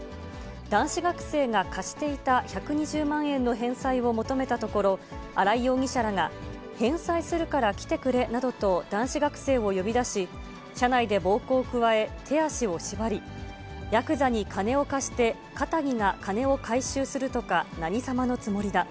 男子学生が貸していた１２０万円の返済を求めたところ、荒井容疑者らが返済するから来てくれなどと男子学生を呼び出し、車内で暴行を加え、手足を縛り、やくざに金を貸してかたぎが金を回収するとか、何様のつもりだ。